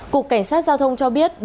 cục cảnh sát giao thông cho biết